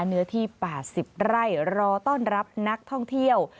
เนื้อที่๘๐ไร่รอต้อนรับนักท่องเที่ยว